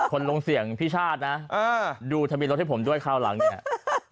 คนลงเสี่ยงพี่ชาตินะดูทะเบียนรถให้ผมด้วยคราวหลังเนี่ย